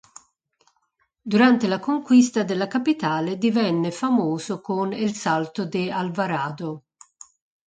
Durante la conquista della capitale divenne famoso con "el salto de Alvarado".